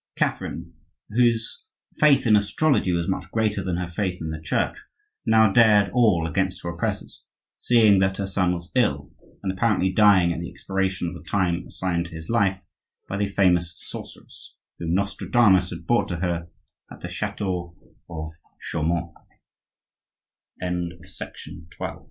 Catherine, whose faith in astrology was much greater than her faith in the Church, now dared all against her oppressors, seeing that her son was ill and apparently dying at the expiration of the time assigned to his life by the famous sorceress, whom Nostradamus had brought to her at t